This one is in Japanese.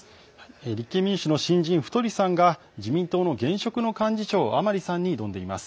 立憲民主党の新人、太さんが自民党の現職の幹事長、甘利さんに挑んでいます。